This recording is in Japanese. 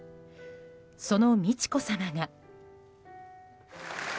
その美智子さまが。